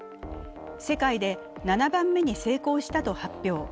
世界で７番目に成功したと発表。